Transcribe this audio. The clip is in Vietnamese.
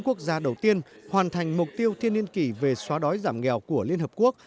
quốc gia đầu tiên hoàn thành mục tiêu thiên niên kỷ về xóa đói giảm nghèo của liên hợp quốc